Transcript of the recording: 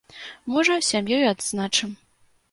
Можа, з сям'ёй і адзначым.